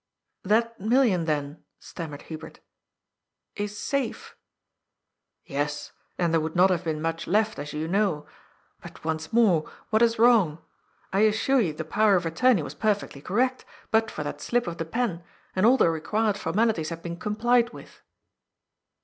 " That million, then," stammered Hubert, "is safe?" " Yes, or there would not have been much left, as you know. But, once more, what is wrong ? I assure you the Power of Attorney was perfectly correct, but for that slip of the pen, and all the required forjnalities had been com plied with."